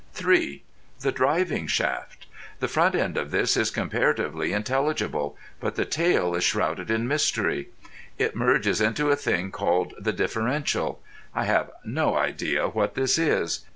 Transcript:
(3) The Driving Shaft. The front end of this is comparatively intelligible, but the tail is shrouded in mystery. It merges into a thing called the Differential. I have no idea what this is.